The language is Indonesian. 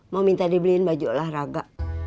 mau minta dibeliin baju olahraga